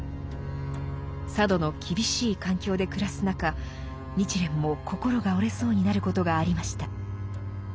佐渡の厳しい環境で暮らす中日蓮も心が折れそうになることがありました。